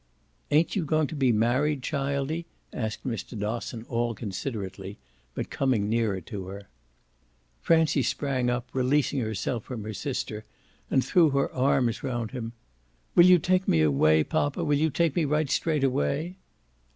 "Ain't you going to be married, childie?" asked Mr. Dosson all considerately, but coming nearer to her. Francie sprang up, releasing herself from her sister, and threw her arms round him. "Will you take me away, poppa? will you take me right straight away?"